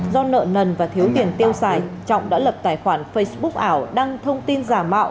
do nợ nần và thiếu tiền tiêu xài trọng đã lập tài khoản facebook ảo đăng thông tin giả mạo